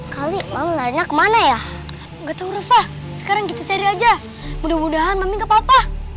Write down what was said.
kali malah enak mana ya enggak tahu reva sekarang kita cari aja mudah mudahan mami enggak papa